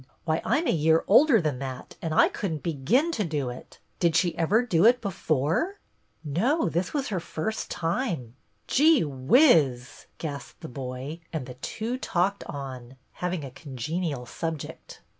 Why, I 'm a year older than that, and I could n't begin to do it. Did she ever do it before ?"" No, this was her first time." " Gee whiz !" gasped the boy ; and the two talked on, having a congenial subject.